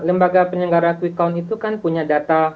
lembaga penyelenggara qicon itu kan punya data